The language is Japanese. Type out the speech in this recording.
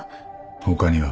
他には？